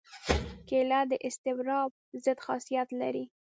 کېله د اضطراب ضد خاصیت لري.